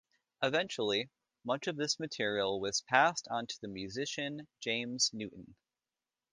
Eventually much of this material was passed on to the musician James Newton.